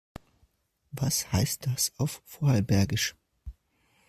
Was heißt das auf Vorarlbergisch?